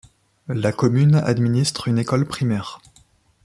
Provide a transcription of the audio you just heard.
La commune administre une école primaire.